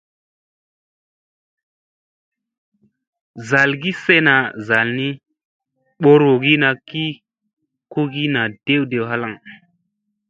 Zalgi sena zalni ɓorowogina ki kogi naa dew dew halaŋ.